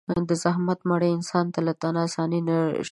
د زحمت مړۍ انسان له تن آساني نه ژغوري.